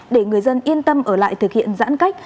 để người dân yên tâm ở lại thực hiện giãn cách